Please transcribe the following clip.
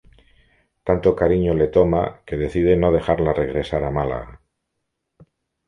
Tanto cariño le toma, que decide no dejarla regresar a Málaga.